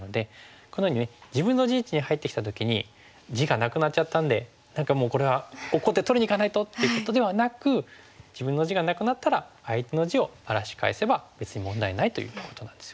このように自分の陣地に入ってきた時に地がなくなっちゃったんで何かもうこれは怒って取りにいかないとっていうことではなく自分の地がなくなったら相手の地を荒らし返せば別に問題ないということなんですよね。